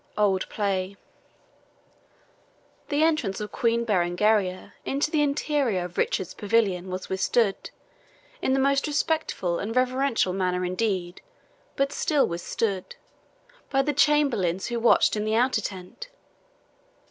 OLD PLAY The entrance of Queen Berengaria into the interior of Richard's pavilion was withstood in the most respectful and reverential manner indeed, but still withstood by the chamberlains who watched in the outer tent.